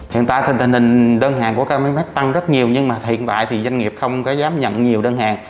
hiện tại tình hình đơn hàng của camimax tăng rất nhiều nhưng mà hiện tại thì doanh nghiệp không có dám nhận nhiều đơn hàng